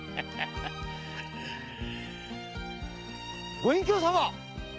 ご隠居様。